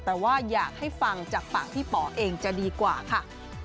แต่ว่าอยากให้ฟังจากปากพี่ป๋อเองจะดีกว่าค่ะ